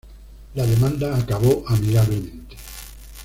La demanda acabó amigablemente.